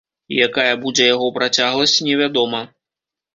Якая будзе яго працягласць, невядома.